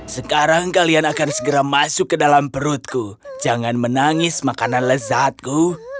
sekarang kalian akan segera masuk ke dalam perutku jangan menangis makanan lezatku